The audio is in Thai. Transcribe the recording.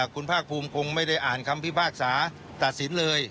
คุณภาคภูมิคงไม่ได้อ่านคำพิพากษาตัดสินเลย